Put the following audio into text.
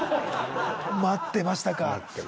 待ってましたか。